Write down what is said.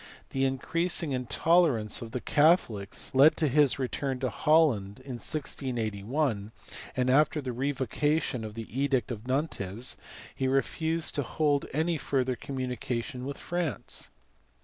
The increasing intolerance of the Catholics led to his return to Holland in 1681, and after the revocation of the edict of Nantes he refused to hold any further communication with France.